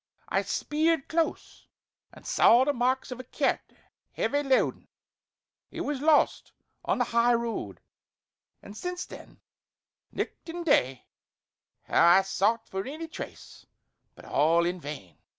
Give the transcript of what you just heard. I speered close, and saw the marks o' a cairt heavy loaden. It was lost on the high road; an' since then, nicht an' day hae I sought for any trace; but all in vain.